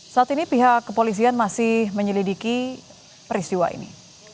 saat ini pihak kepolisian masih menyelidiki peristiwa ini